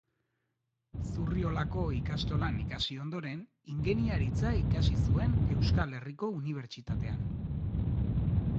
Zurriolako ikastolan ikasi ondoren, ingeniaritza ikasi zuen Euskal Herriko Unibertsitatean.